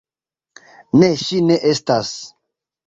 Ne, ŝi ne estas.